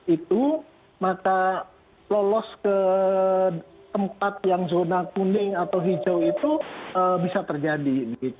itu maka lolos ke tempat yang zona kuning atau hijau itu bisa terjadi